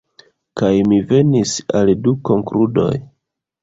Kaj mi venis al du konkludoj.